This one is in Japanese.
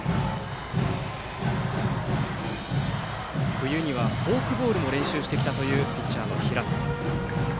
冬にはフォークボールも練習してきたというピッチャーの平野。